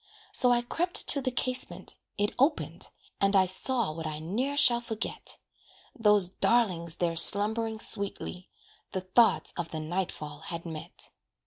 So I crept to the casement it opened, And I saw what I ne'er shall forget Those darlings there slumbering sweetly, The thoughts of the night fall had met.